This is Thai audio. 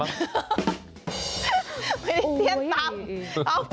ไม่ได้เสรียร์ตัม